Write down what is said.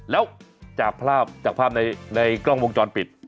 แล้วจากภาพในกล้องวงจรปิด